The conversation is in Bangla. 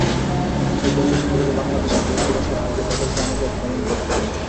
তাই জঙ্গি সংগঠনটি বাংলাদেশে জেঁকে বসার আগেই তাদেরকে আমাদের দমন করতে হবে।